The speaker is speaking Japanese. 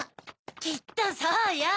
きっとそうよ。